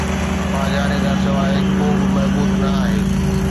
ٻاجھاري کان سواءِ ڪو به معبود نه آھي